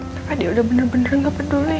tapi dia udah bener bener gak peduli